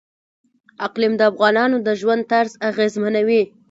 اقلیم د افغانانو د ژوند طرز اغېزمنوي.